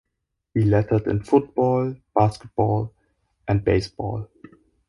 He lettered in football, basketball and baseball.